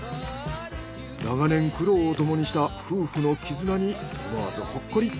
長年苦労をともにした夫婦の絆に思わずほっこり。